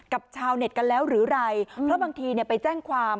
ชาวเน็ตกันแล้วหรือไรเพราะบางทีไปแจ้งความ